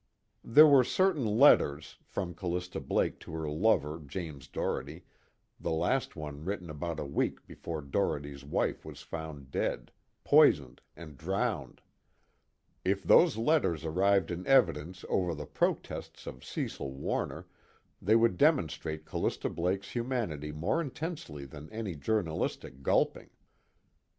There were certain letters, from Callista Blake to her lover James Doherty, the last one written about a week before Doherty's wife was found dead poisoned and drowned. If those letters arrived in evidence over the protests of Cecil Warner, they would demonstrate Callista Blake's humanity more intensely than any journalistic gulping.